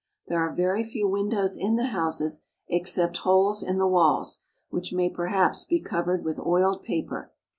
There are very few windows in the houses, except holes in the walls, which may perhaps be covered with oiled paper.